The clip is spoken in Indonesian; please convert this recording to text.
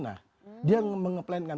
nah dia mengeplankan